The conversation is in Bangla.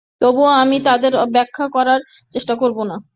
তবু আমি তাদের ব্যাখ্যা করবার চেষ্টা করব না।